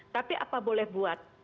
tapi apa boleh buat